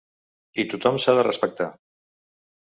I tothom s’ha de respectar.